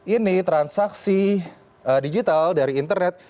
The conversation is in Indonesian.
ini transaksi digital dari internet